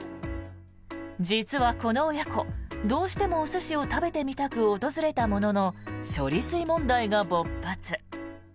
実はこの親子どうしてもお寿司を食べてみたく訪れたものの処理水問題が勃発。